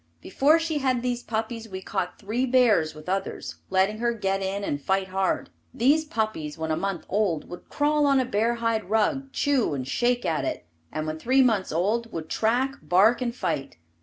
Before she had these puppies we caught three bears with others, letting her get in and fight hard. These puppies when a month old would crawl on a bear hide rug, chew and shake at it, and when three months old, would track, bark and fight.